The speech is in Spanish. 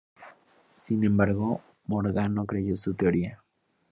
Sin embargo, Morgan no creyó su teoría.